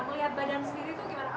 melihat badan sendiri itu gimana